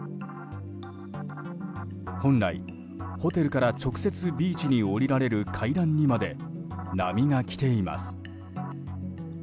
本来、ホテルから直接ビーチに下りられる階段にまで波が来ています。